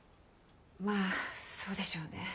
まあそうでしょうね。